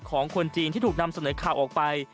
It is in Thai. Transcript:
ของคนจีนที่ถูกนำเสนอข่าวออกไป